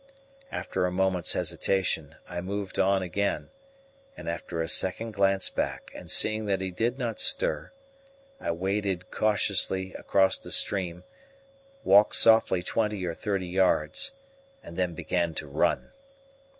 After a moment's hesitation I moved on again, and after a second glance back and seeing that he did not stir, I waded cautiously across the stream, walked softly twenty or thirty yards, and then began to run.